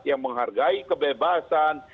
yang menghargai kebebasan